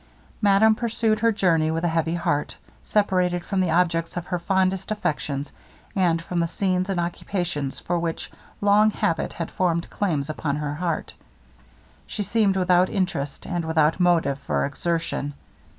Madame pursued her journey with a heavy heart. Separated from the objects of her fondest affections, and from the scenes and occupations for which long habit had formed claims upon her heart, she seemed without interest and without motive for exertion.